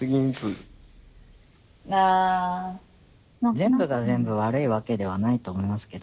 全部が全部悪いわけではないと思いますけど。